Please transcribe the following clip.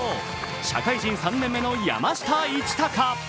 社会人３年目の山下一貴。